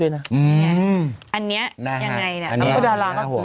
อึก